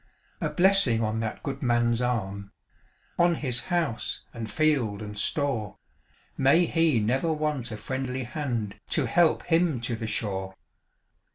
A blessing on that good man's arm, On his house, and field, and store; May he never want a friendly hand To help him to the shore!